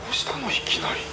いきなり。